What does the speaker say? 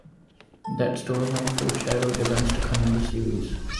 That storyline foreshadowed events to come in the series.